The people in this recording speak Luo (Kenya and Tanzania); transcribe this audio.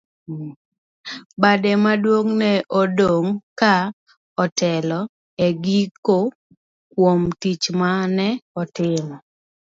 Bade maduong' ne odong' ka otelo e giko kuom tich mane otimo.